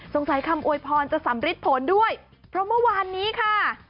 คำอวยพรจะสำริดผลด้วยเพราะเมื่อวานนี้ค่ะ